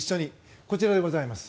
こちらでございます。